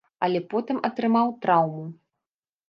Але потым атрымаў траўму.